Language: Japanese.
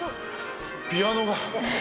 ピアノが。